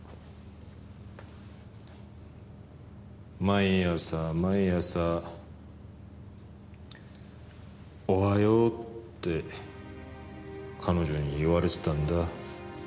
毎朝毎朝おはようって彼女に言われてたんだ。